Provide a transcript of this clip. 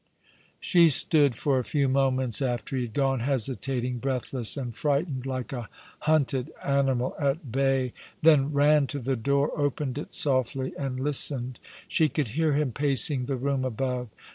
She stood for a few moments after he had gone, hesitating, breathless, and frightened, like a hunted animal at bay — ''Say the False Charge was True J' 183 then ran to the door, opened it softly, and listened. She could hear him pacing the room above.